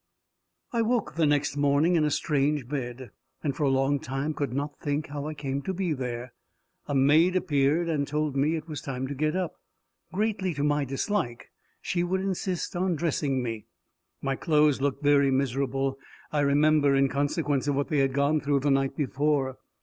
I woke the next morning in a strange bed, and for a long time could not think how I came to be there. A maid appeared, and told me it was time to get up. Greatly to my dislike, she would insist on dressing me. My clothes looked very miserable, I remember, in consequence of what they had gone through the night before.